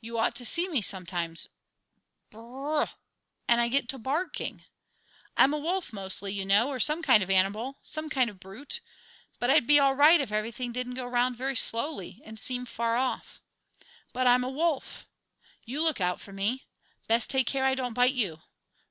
You ought to see me sometimes b r r r h! and I get to barking! I'm a wolf mostly, you know, or some kind of an animal, some kind of a brute. But I'd be all right if everything didn't go round very slowly, and seem far off. But I'm a wolf. You look out for me; best take care I don't bite you!